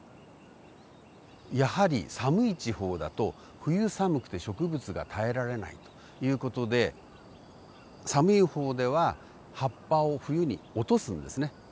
やはり寒い地方だと冬寒くて植物が耐えられないという事で寒い方では葉っぱを冬に落とすんですね。